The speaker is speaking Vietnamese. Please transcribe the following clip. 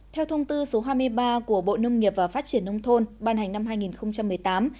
theo thông tư số hai mươi ba của bộ nông nghiệp và phát triển nông thôn ban hành năm hai nghìn một mươi tám